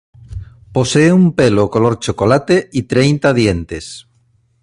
Posee un pelo color chocolate y treinta dientes.